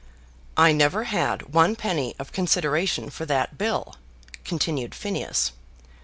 "I never had one penny of consideration for that bill," continued Phineas.